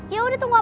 yaudah tunggu aku